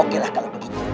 oke lah kalau begitu